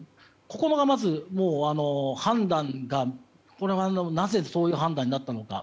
ここがまず、判断がこれはなぜそういう判断になったのか。